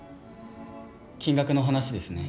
金額の話ですね。